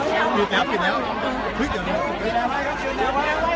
ก็ไม่มีใครกลับมาเมื่อเวลาอาทิตย์เกิดขึ้น